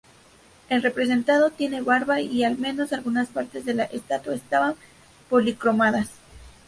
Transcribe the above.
El representado tiene barba y al menos algunas partes de la estatua estaban policromadas.